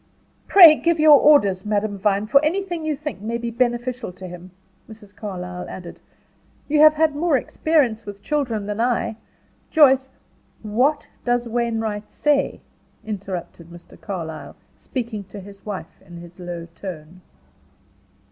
"Pray give your orders, Madame Vine, for anything you think may be beneficial to him," Mrs. Carlyle added. "You have had more experience with children than I. Joyce " "What does Wainwright say?" interrupted Mr. Carlyle, speaking to his wife, in his low tone.